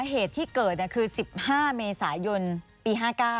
เหตุที่เกิดคือ๑๕เมษายนปี๕๙